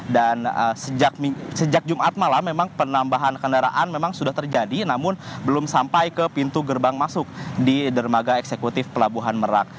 dan sejak jumat malam memang penambahan kendaraan memang sudah terjadi namun belum sampai ke pintu gerbang masuk di dermaga eksekutif pelabuhan merak